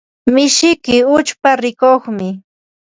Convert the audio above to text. Mishiyki uchpa rikuqmi.